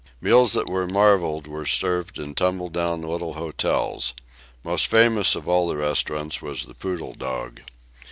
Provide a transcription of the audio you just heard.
Meals that were marvels were served in tumbledown little hotels. Most famous of all the restaurants was the Poodle Dog.